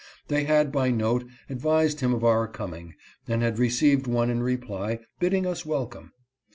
They had by note advised him of our coming, and had received one in reply, bidding us welcome.